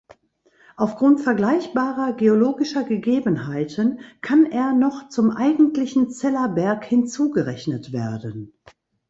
Aufgrund vergleichbarer geologischer Gegebenheiten kann er noch zum eigentlichen Zeller Berg hinzugerechnet werden.